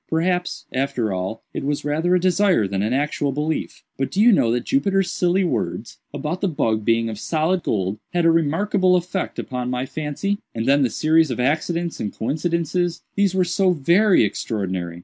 Perhaps, after all, it was rather a desire than an actual belief;—but do you know that Jupiter's silly words, about the bug being of solid gold, had a remarkable effect upon my fancy? And then the series of accidents and coincidences—these were so very extraordinary.